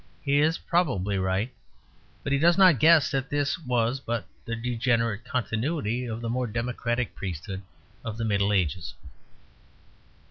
He is probably right; but he does not guess that this was but the degenerate continuity of the more democratic priesthood of the Middle Ages.